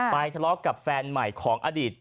ทะเลาะกับแฟนใหม่ของอดีต